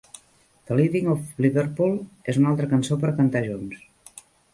"The Leaving of Liverpool? és una altra cançó per cantar junts.